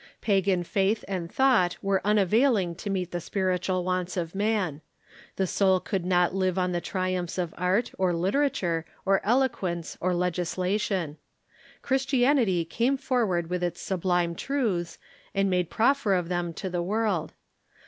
Pagan faith and thought were unavailing to meet the spirit ual wants of man. The soul could not live on the triumphs of art, or literature, or eloquence, or legislation. Christianity came forward with its sublime truths, and made proffer of them to the world.